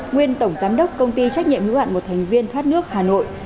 nguyên tổng giám đốc công ty trách nhiệm hữu hạn một thành viên thoát nước hà nội